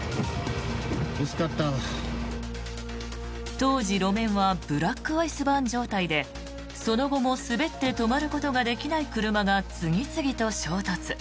当時、路面はブラックアイスバーン状態でその後も滑って止まることができない車が次々と衝突。